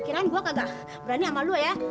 pikiran gua kagak berani sama lu ya